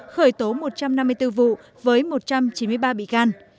khởi tố một trăm năm mươi bốn vụ với một trăm chín mươi ba bị can